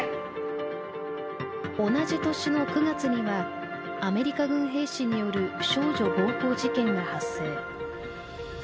同じ年の９月にはアメリカ軍兵士による少女暴行事件が発生。